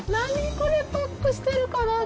これ、パックしてるかな？